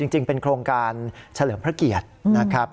จริงเป็นโครงการเฉลิมพระเกียรตินะครับ